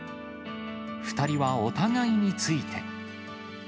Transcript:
２人はお互いについて。